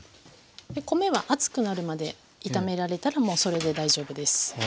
米は熱くなるまで炒められたらもうそれで大丈夫です。